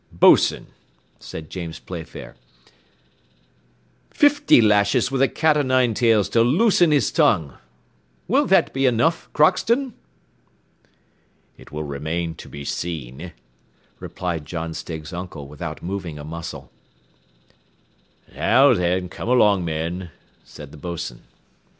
"Boatswain," said James Playfair, "fifty lashes with the cat o' nine tails to loosen his tongue. Will that be enough, Crockston?" "It will remain to be seen," replied John Stiggs' uncle without moving a muscle. "Now then, come along, men," said the boatswain.